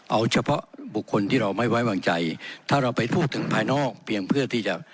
เอาเฉพาะบุคคลที่เราไม่ไว้วางใจถ้าเราไปพูดถึงภายนอกเพียงเพื่อที่จะ